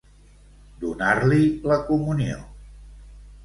Donar-li la comunió.